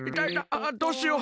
あっどうしよう。